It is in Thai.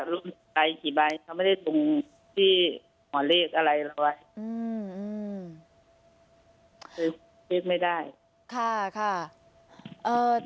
ลงไปกี่ใบเขาไม่ได้ตรงที่หอเลขอะไรเอาไว้อืมไม่ได้ค่ะค่ะเอ่อ